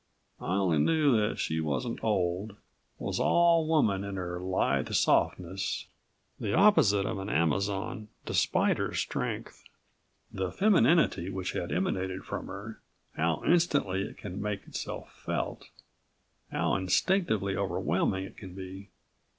I only knew that she wasn't old, was all woman in her lithe softness, the opposite of an Amazon despite her strength. The femininity which had emanated from her how instantly it can make itself felt, how instinctively overwhelming it can be!